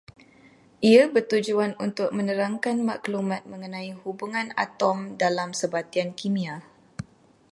Ia bertujuan untuk menerangkan maklumat mengenai hubungan atom dalam sebatian kimia